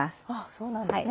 そうなんですね。